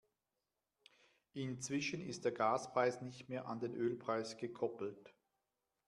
Inzwischen ist der Gaspreis nicht mehr an den Ölpreis gekoppelt.